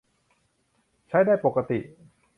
ใช้ได้ปกติ